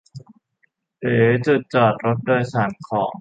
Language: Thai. หรือจุดจอดรถโดยสารของ